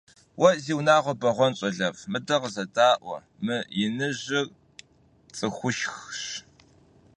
Vue zi vuner beğuen ş'alef', mıde khızeda'ue, mı yinıjır ts'ıxuşşxş.